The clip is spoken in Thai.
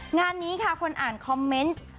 งานนี้ค่ะคนอ่านคอมเมนต์